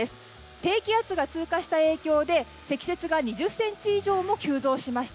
低気圧が通過した影響で積雪が２０ｃｍ以上も急増しました。